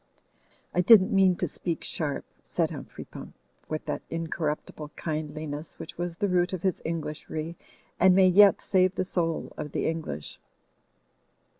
"I didn't mean to speak sharp," said Humphrey Pump with that incorruptible kindliness which was the root of his Englishry, and may yet save the soul of the English.